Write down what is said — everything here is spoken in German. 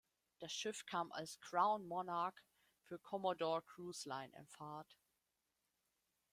Das Schiff kam als "Crown Monarch" für Commodore Cruise Line in Fahrt.